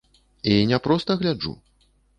І не проста гляджу.